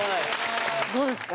どうですか？